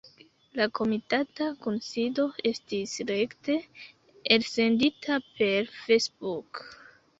La komitata kunsido estis rekte elsendita per Facebook.